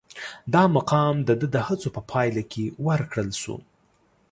دا مقام د ده د هڅو په پایله کې ورکړل شو.